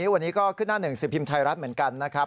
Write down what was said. วันนี้ก็ขึ้นหน้าหนึ่งสิบพิมพ์ไทยรัฐเหมือนกันนะครับ